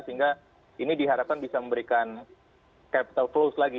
sehingga ini diharapkan bisa memberikan capital flows lagi